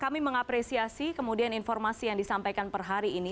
kami mengapresiasi kemudian informasi yang disampaikan per hari ini